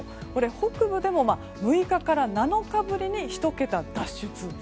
北部でも６日から７日ぶりに１桁脱出。